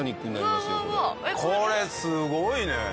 これすごいね！